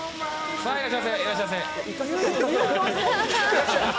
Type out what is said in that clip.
さあ、いらっしゃいませ。